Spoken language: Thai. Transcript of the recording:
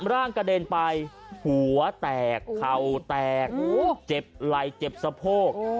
ร่างกระเด็นไปหัวแตกเข่าแตกเจ็บไหล่เจ็บสะโพก